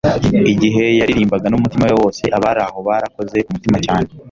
igihe yaririmbaga n'umutima we wose, abari aho barakoze ku mutima cyane